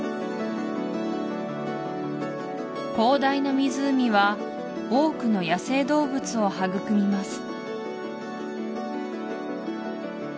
広大な湖は多くの野生動物を育みます